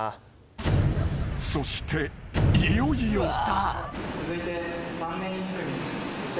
［そしていよいよ］